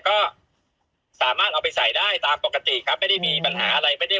ก็สามารถเอาไปใส่ได้ตามปกติครับไม่ได้มีปัญหาอะไรไม่ได้